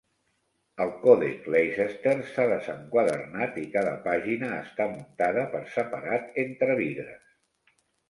El Còdex Leicester s'ha desenquadernat i cada pàgina està muntada per separat entre vidres.